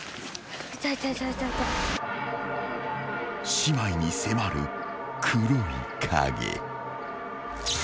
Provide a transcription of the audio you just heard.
［姉妹に迫る黒い影］